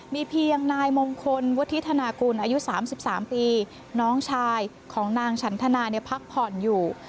มีเพียงนายมงคลวุฒิธนากุลอายุ๓๓ปีน้องชายของนางฉันธนาพักผ่อนอยู่